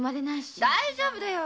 大丈夫よ。